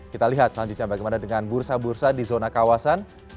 kita lihat selanjutnya bagaimana dengan bursa bursa di zona kawasan